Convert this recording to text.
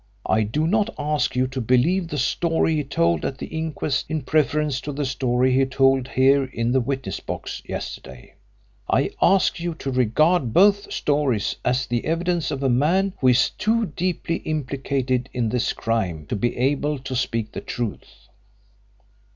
I do not ask you to believe the story he told at the inquest in preference to the story he told here in the witness box yesterday. I ask you to regard both stories as the evidence of a man who is too deeply implicated in this crime to be able to speak the truth.